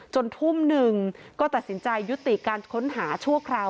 ทุ่มหนึ่งก็ตัดสินใจยุติการค้นหาชั่วคราว